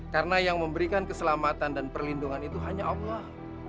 karena yang memberikan keselamatan dan perlindungan itu hanya allah